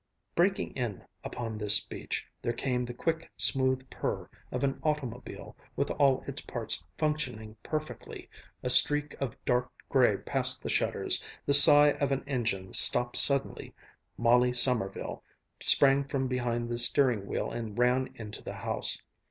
Breaking in upon this speech, there came the quick, smooth purr of an automobile with all its parts functioning perfectly, a streak of dark gray past the shutters, the sigh of an engine stopped suddenly Molly Sommerville sprang from behind the steering wheel and ran into the house.